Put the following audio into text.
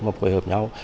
mà phối hợp nhau